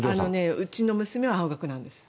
うちの娘は青学なんです。